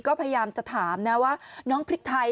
ก็พยายามจะถามนะว่าน้องพริกไทย